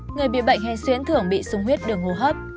người bị bệnh hèn xuyễn thường bị sùng huyết đường hô hấp